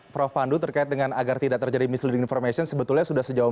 prof pandu terkait dengan agar tidak terjadi misi di information sebetulnya sudah sejauh